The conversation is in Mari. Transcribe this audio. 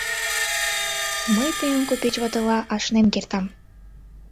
Мый тыйым купеч ватыла ашнен кертам.